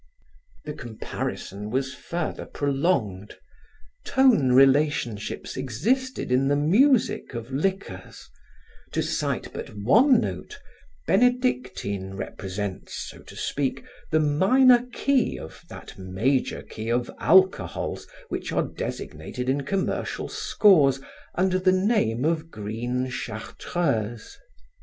The comparison was further prolonged. Tone relationships existed in the music of liquors; to cite but one note, benedictine represents, so to speak, the minor key of that major key of alcohols which are designated in commercial scores, under the name of green Chartreuse.